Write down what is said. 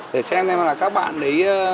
để xem là các bạn đấy